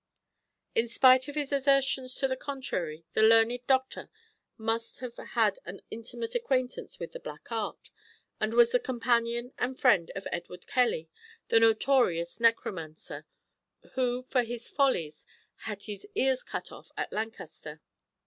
In spite of his assertions to the contrary, the learned doctor must have had an intimate acquaintance with "the black art," and was the companion and friend of Edward Kelly, a notorious necromancer, who for his follies had his ears cut off at Lancaster.